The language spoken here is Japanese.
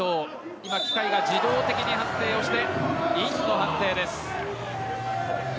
今、機械が自動的に判定をしてインの判定です。